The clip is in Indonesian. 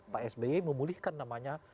pak sby memulihkan namanya